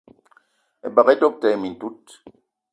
Ebeng doöb te mintout.